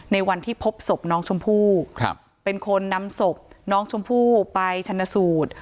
ในวันที่พบศพน้องชมพู่เป็นคนนำศพน้องชมพู่ไปชนสูตร